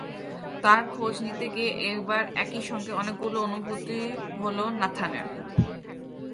তাঁর খোঁজ নিতে গিয়ে এবার একই সঙ্গে অনেকগুলো অনুভূতি হলো নাথানের।